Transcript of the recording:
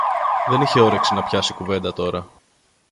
δεν είχε όρεξη να πιάσει κουβέντα τώρα